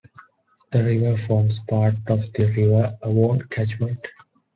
The river forms part of the River Avon catchment.